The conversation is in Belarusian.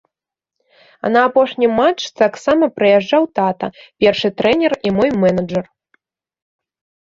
А на апошні матч таксама прыязджаў тата, першы трэнер і мой менеджэр.